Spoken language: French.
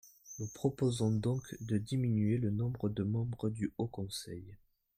Nous proposons donc de diminuer le nombre de membres du Haut conseil.